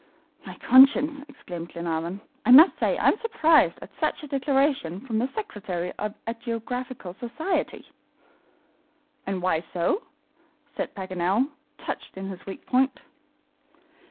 "My conscience," exclaimed Glenarvan, "I must say I am surprised at such a declaration from the Secretary of a Geographical Society!" "And why so?" said Paganel, touched in his weak point.